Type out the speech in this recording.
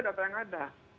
data yang ada